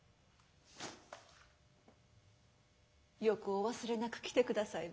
よくお忘れなく来てくださいました。